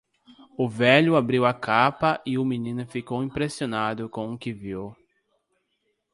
O velho abriu a capa e o menino ficou impressionado com o que viu.